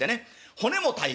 骨も大変。